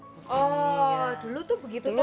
kelihatan dia udah bisa kalau diduduin bisa